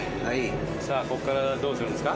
さあこっからどうするんですか？